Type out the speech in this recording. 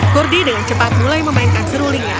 kurdi dengan cepat mulai memainkan serulingnya